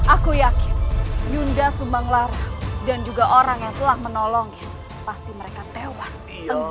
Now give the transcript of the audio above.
aku yakin yunda sumbang lara dan juga orang yang telah menolongnya pasti mereka tewas dan gelap